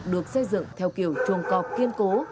được xây dựng theo kiểu trồng cọp kiên cố